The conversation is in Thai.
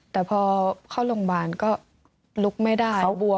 แต่พอเข้าโรงบาลก็ลุกไม่ได้บวมเจ็บ